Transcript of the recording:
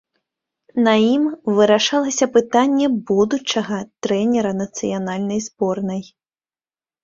На ім вырашалася пытанне будучага трэнера нацыянальнай зборнай.